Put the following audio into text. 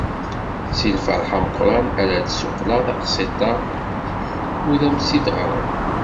S lferḥ ameqqran ara d-ssuqleɣ taqsiṭ-a u ad m-tt-id-ɣreɣ.